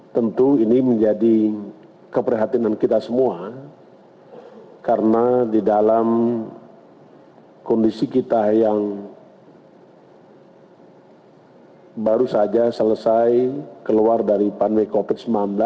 tentu ini menjadi keprihatinan kita semua karena di dalam kondisi kita yang baru saja selesai keluar dari pandemi covid sembilan belas